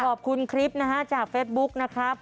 ขอบคุณคลิปนะฮะจากเฟสบุ๊คนะครับ